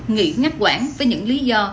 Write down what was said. nghỉ ngắt quản với những lý do